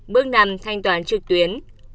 bước năm thanh toán trực tuyến